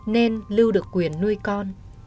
nên lưu được quyền nuôi con